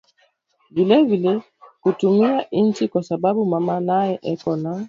vivile kutumiya inchi kwa sababu mama naye eko na